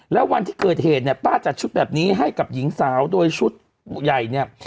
แล้ววันที่เกิดเหตุเนี่ยป้าจัดชุดแบบนี้ให้กับหญิงสาวโดยชุดใหญ่เนี่ย